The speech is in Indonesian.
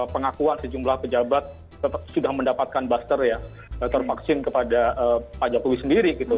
pengakuan sejumlah pejabat sudah mendapatkan booster ya tervaksin kepada pak jokowi sendiri gitu